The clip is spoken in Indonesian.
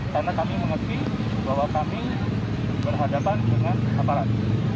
karena kami mengerti bahwa kami berhadapan dengan aparat